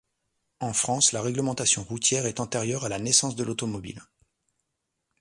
En France, la réglementation routière est antérieure à la naissance de l'automobile.